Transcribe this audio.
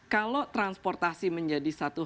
kalau transportasi menjadi satu